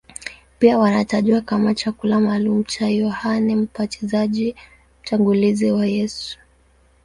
Pia wanatajwa kama chakula maalumu cha Yohane Mbatizaji, mtangulizi wa Yesu.